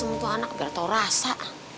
semutu anak biar tau rasa